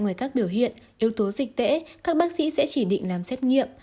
yếu tố dịch tễ các bác sĩ sẽ chỉ định làm xét nghiệm